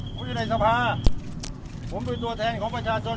ผมอยู่ในสภาผมเป็นตัวแทนของประชาชน